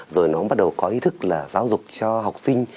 rồi nó bắt đầu có ý thức là giáo dục cho học sinh